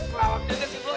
kelawak juga sih boy